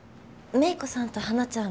芽衣子さんと花ちゃん